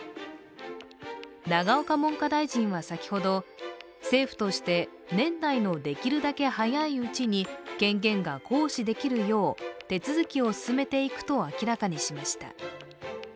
永岡文科大臣は先ほど政府として、年内のできるだけ早いうちに権限が行使できるよう手続きを進めていくと明らかにしました。